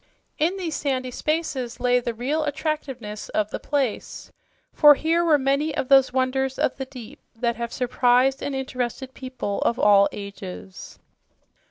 In these sandy spaces lay the real attractiveness of the place, for here were many of those wonders of the deep that have surprised and interested people in all ages.